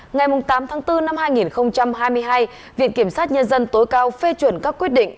ngày tám tháng bốn năm hai nghìn hai mươi hai viện kiểm sát nhân dân tối cao phê chuẩn các quyết định